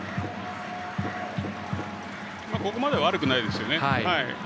ここまで悪くないですよね。